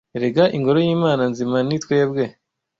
Erega ingoro y’Imana nzima ni twebwe